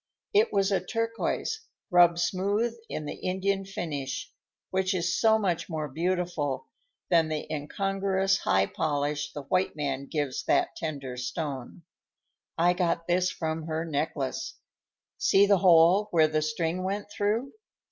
It was a turquoise, rubbed smooth in the Indian finish, which is so much more beautiful than the incongruous high polish the white man gives that tender stone. "I got this from her necklace. See the hole where the string went through?